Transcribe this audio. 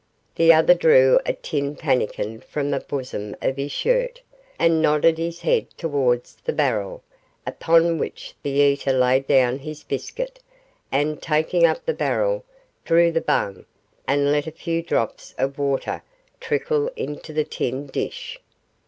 The other drew a tin pannikin from the bosom of his shirt, and nodded his head towards the barrel, upon which the eater laid down his biscuit, and, taking up the barrel, drew the bung, and let a few drops of water trickle into the tin dish.